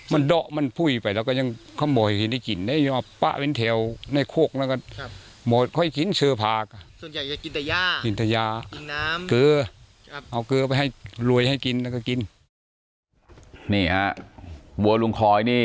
มันดอกมันพุ่ยไปแล้วก็ยังค่อยบ่อยกินได้กินได้ยังปะเป็นแถวในโคกแล้วก็